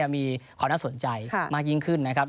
มีความน่าสนใจมากยิ่งขึ้นนะครับ